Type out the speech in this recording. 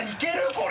これ。